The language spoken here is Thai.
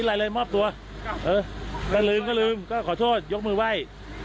ระดับน้ำมันสูงครับ